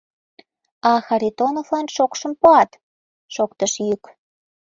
— А Харитоновлан шокшым пуат! — шоктыш йӱк.